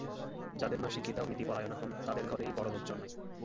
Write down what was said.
যাদের মা শিক্ষিতা ও নীতিপরায়ণা হন, তাঁদের ঘরেই বড় লোক জন্মায়।